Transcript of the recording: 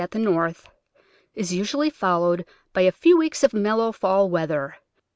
at the North — is usu ally followed by a few weeks of mel low fall weather.